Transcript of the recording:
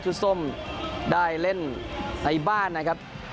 ส้มได้เล่นในบ้านนะครับ